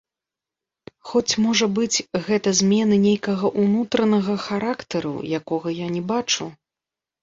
Хоць, можа быць, гэта змены нейкага ўнутранага характару, якога я не бачу?